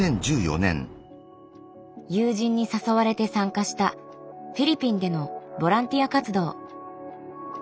友人に誘われて参加したフィリピンでのボランティア活動。